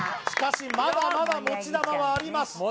しかしまだまだ持ち玉はあります